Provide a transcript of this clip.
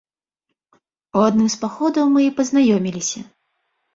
У адным з паходаў мы і пазнаёміліся.